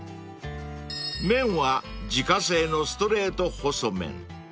［麺は自家製のストレート細麺］